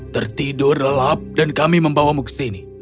tertidur lelap dan kami membawamu ke sini